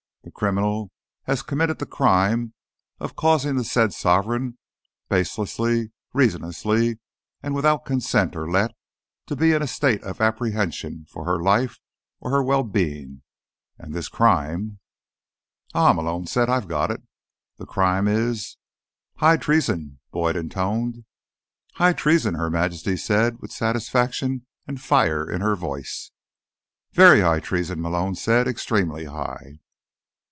The criminal has committed the crime of Causing the Said Sovereign, Baselessly, Reasonlessly and Without Consent or Let, to Be in a State of Apprehension for Her Life or Her Well Being. And this crime—" "Aha," Malone said. "I've got it. The crime is—" "High treason," Boyd intoned. "High treason," Her Majesty said with satisfaction and fire in her voice. "Very high treason," Malone said. "Extremely high."